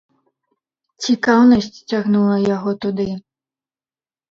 Цікаўнасць цягнула яго туды.